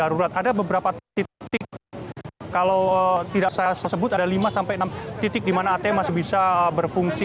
ada beberapa titik kalau tidak saya sebut ada lima sampai enam titik di mana atm masih bisa berfungsi